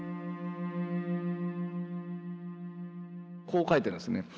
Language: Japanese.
こう書いてますね。